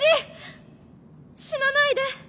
死なないで。